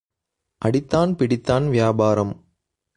அடித்தான் பிடித்தான் வியாபாரம்.